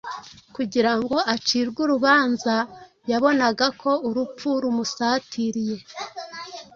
kugira ngo acirwe urubanza, yabonaga ko urupfu rumusatiriye.